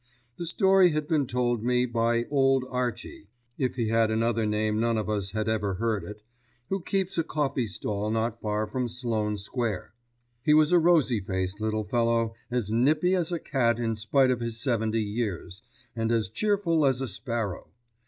The story had been told me by Old Archie, if he had another name none of us had ever heard it, who keeps a coffee stall not far from Sloane Square. He was a rosy faced little fellow, as nippy as a cat in spite of his seventy years, and as cheerful as a sparrow.